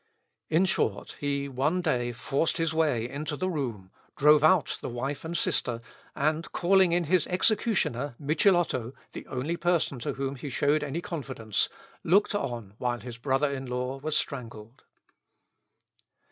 In short, he one day forced his way into the room, drove out the wife and sister, and calling in his executioner, Michilotto, the only person to whom he showed any confidence, looked on while his brother in law was strangled.